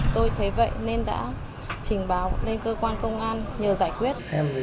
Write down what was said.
tôi thấy vậy nên đã trình báo lên cơ quan công an nhờ giải quyết